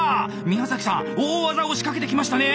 宮崎さん大技を仕掛けてきましたね！